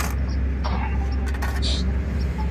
په لاس لیکلنه د ژوند د خوږو شیبو د ثبتولو وسیله ده.